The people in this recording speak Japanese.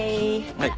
はい。